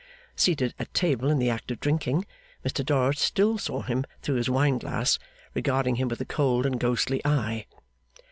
Seated at table in the act of drinking, Mr Dorrit still saw him through his wine glass, regarding him with a cold and ghostly eye.